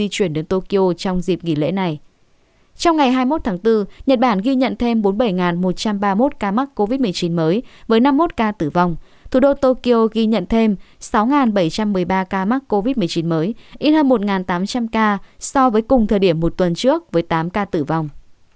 thủ đô tokyo ghi nhận thêm sáu bảy trăm một mươi ba ca mắc covid một mươi chín mới ít hơn một tám trăm linh ca so với cùng thời điểm một tuần trước với tám ca tử vong